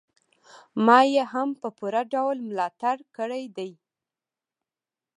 ما يې هم په پوره ډول ملاتړ کړی دی.